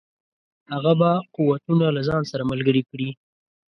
هغه به قوتونه له ځان سره ملګري کړي.